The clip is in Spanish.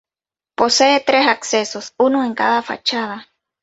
Posee tres accesos, uno en cada fachada.